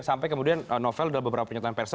sampai kemudian novel dalam beberapa penyertaan perse